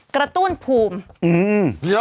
กระตุ้นภูมิ